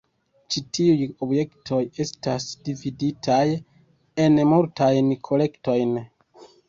Ĉi tiuj objektoj estas dividitaj en multajn kolektojn.